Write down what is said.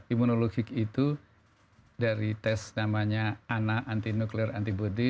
imunologi itu dari tes namanya ana anti nuklear antibody